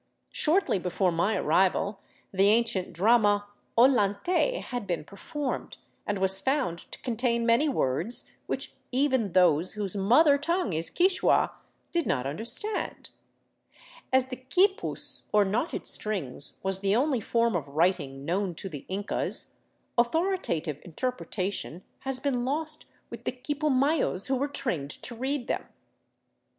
Shortly before my arrival the ancient drama " Ollantay " had been performed, and was found to contain many words which even those whose mother tongue is Quichua did not understand. As the quipiis, or knotted strings, was the only form of writing known to the Incas, authoritative interpretation has been lost with the quipumayos who were trained to read them.